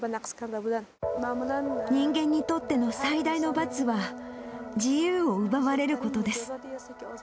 人間にとっての最大の罰は、自由を奪われることです。